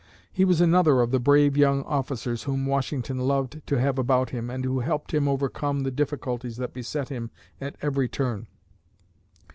He was another of the brave young officers whom Washington loved to have about him and who helped him overcome the difficulties that beset him at every turn.